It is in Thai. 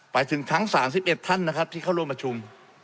ไปถึงทั้ง๓๑ท่านนะครับที่เข้าร่วมประชุม